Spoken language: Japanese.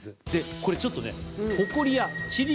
これちょっとね。